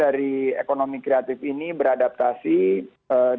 bagian dari ekonomi kreatif ini beradaptasi ke lapangan percubaan lain